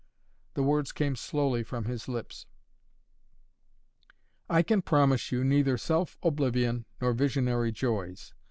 The words came slowly from his lips. "I can promise you neither self oblivion nor visionary joys.